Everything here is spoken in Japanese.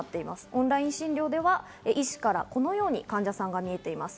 オンライン診療では医師からこのように患者さんが見えています。